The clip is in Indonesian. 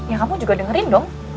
ya kamu juga dengerin dong